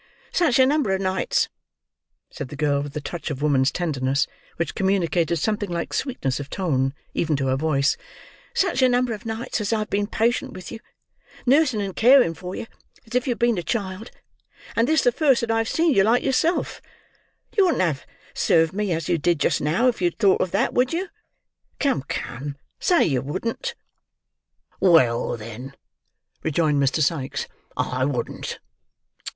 "Such a number of nights," said the girl, with a touch of woman's tenderness, which communicated something like sweetness of tone, even to her voice: "such a number of nights as I've been patient with you, nursing and caring for you, as if you had been a child: and this the first that I've seen you like yourself; you wouldn't have served me as you did just now, if you'd thought of that, would you? Come, come; say you wouldn't." "Well, then," rejoined Mr. Sikes, "I wouldn't.